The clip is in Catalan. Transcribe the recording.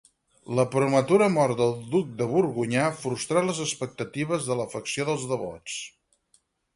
La prematura mort del duc de Borgonya frustrà les expectatives de la facció dels devots.